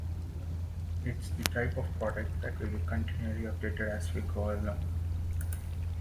It's the type of product that will be continually updated as we go along.